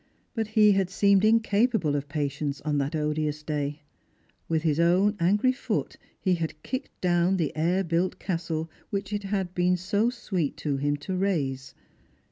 But he had seemed incapable of patience on that odious day ; with his own angry foot he had kicked down the air built castle which it had been so sweet to him to raise.